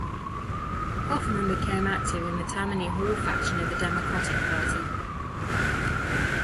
Hoffman became active in the Tammany Hall faction of the Democratic Party.